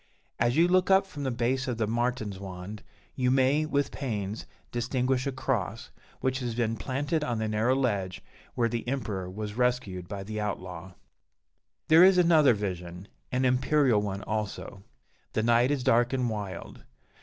As you look up from the base of the Martinswand, you may, with pains, distinguish a cross, which has been planted on the narrow ledge where the Emperor was rescued by the outlaw. There is another vision, an imperial one also. The night is dark and wild.